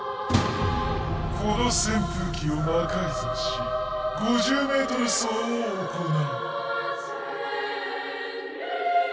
この扇風機を魔改造し５０メートル走を行う。